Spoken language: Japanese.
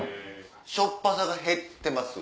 しょっぱさが減ってます。